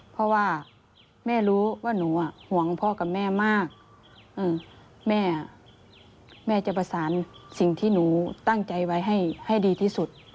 เพราะว่าแม่รู้ว่าหนูห่วงพ่อกับแม่มากแม่แม่จะประสานสิ่งที่หนูตั้งใจไว้ให้ดีที่สุด